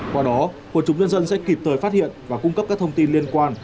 qua đó quân chúng nhân dân sẽ kịp thời phát hiện và cung cấp các thông tin liên quan